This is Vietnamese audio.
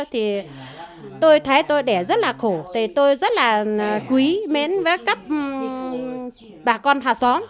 thì tôi thấy tôi đẻ rất là khổ vì tôi rất là quý mến với các bà con hà xóm